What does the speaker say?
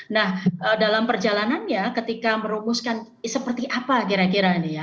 nah dalam perjalanannya ketika merumuskan seperti apa kira kira ini ya